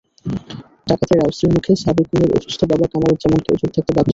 ডাকাতেরা অস্ত্রের মুখে সাবেকুনের অসুস্থ বাবা কামরুজ্জামানকেও চুপ থাকতে বাধ্য করে।